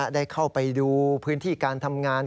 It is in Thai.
ได้เข้าไปดูพื้นที่การทำงาน